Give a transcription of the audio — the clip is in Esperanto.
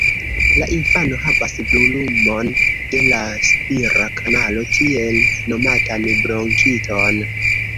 La infano havas brulumon de la spira kanalo, tiel nomatan bronkiton.